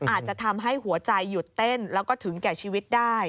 อาจจะทำให้หัวใจหยุดเต้นแล้วก็ถึงแก่ชีวิตได้